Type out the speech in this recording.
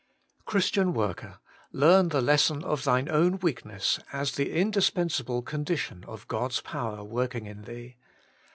Christian worker ! learn the lesson of thine own weakness, as the indispensable condition of God's power working in thee.